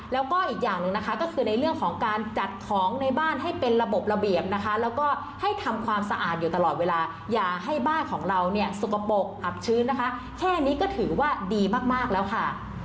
แล้วก็อีกอย่างหนึ่งนะคะก็คือในเรื่องของการจัดของในบ้านให้เป็นระบบระเบียบนะคะแล้วก็ให้ทำความสะอาดอยู่ตลอดเวลาอย่าให้บ้านของเราเนี่ยสกปรกอับชื้นนะคะแค่นี้ก็ถือว่าดีมากแล้วค่ะ